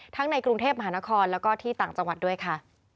ในกรุงเทพมหานครแล้วก็ที่ต่างจังหวัดด้วยค่ะ